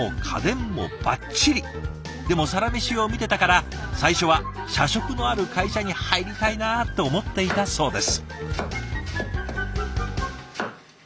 でも「サラメシ」を見てたから最初は「社食のある会社に入りたいな」って思っていたそうです。